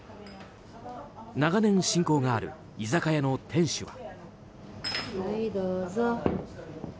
長年、親交がある居酒屋の店主は。